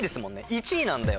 １位なんだよ